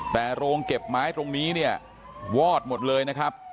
แต่โรงเก็บไม้ตรงนี้เนี่ยวอดหมดเลยนะครับ